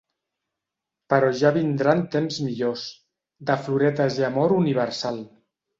Però ja vindran temps millors, de floretes i amor universal.